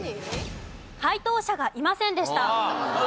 解答者がいませんでした。